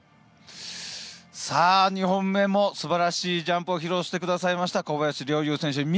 ２本目も素晴らしいジャンプを披露してくださいました小林陵侑選手。